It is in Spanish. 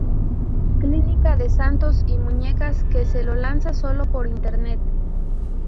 Clínica de Santos y Muñecas que se lo lanza solo por Internet.